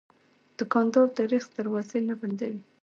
دوکاندار د رزق دروازې نه بندوي.